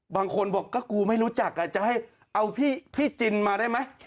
บางคนบอกก็กูไม่รู้จักจะให้เอาพี่จินมาได้ไหม